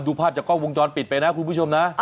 ภาพจากกล้องวงจรปิดไปนะคุณผู้ชมนะ